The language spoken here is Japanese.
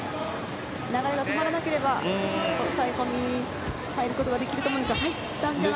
流れが止まらなければ抑え込みに入ることができると。